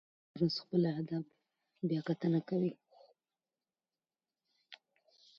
هغه هره ورځ خپل اهداف بیاکتنه کوي.